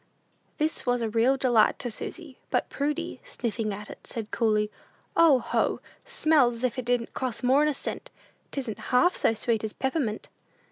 This was a real delight to Susy: but Prudy, sniffing at it, said, coolly, "O, ho! it smells 's if it didn't cost more'n a cent! 'Tisn't half so sweet as pep'mint!"